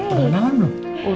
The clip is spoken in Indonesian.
udah kenalan lho